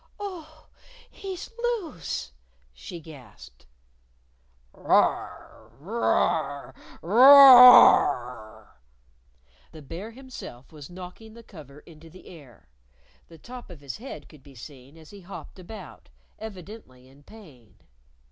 "Oh, he's loose!" she gasped. "Rar! Rar! Rar r r!" The Bear himself was knocking the cover into the air. The top of his head could be seen as he hopped about, evidently in pain.